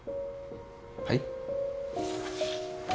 はい？